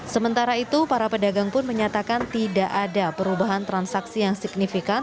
sementara itu para pedagang pun menyatakan tidak ada perubahan transaksi yang signifikan